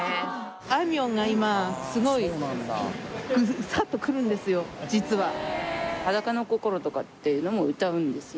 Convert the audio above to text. あいみょんが今すごいグサッとくるんですよ実は。とかっていうのも歌うんですよ。